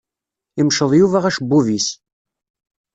Imceḍ Yuba acebbub-is.